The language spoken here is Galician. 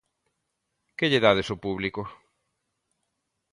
Que lle dades ao público?